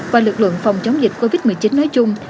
và lực lượng phòng chống dịch covid một mươi chín nói chung